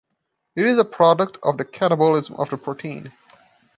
It is a product of the catabolism of protein.